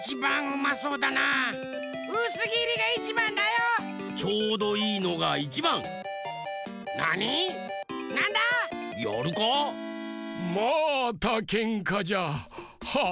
またけんかじゃ。はあ。